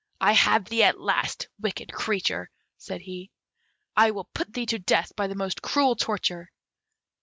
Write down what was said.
"I have thee at last, wicked creature!" said he; "I will put thee to death by the most cruel torture!"